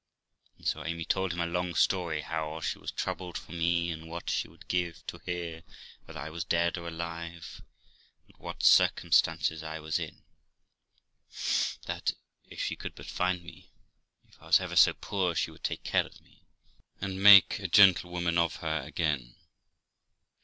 And so Amy told him a long story how she was troubled for me, and what she would give to hear whether I was dead or alive, and what circumstances I was in ; that if she could but find me, if I was ever so poor, she would take care of me, and make a gentlewoman of me again.